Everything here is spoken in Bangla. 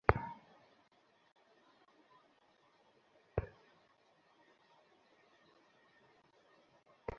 গতকাল তো এটা ছিল না।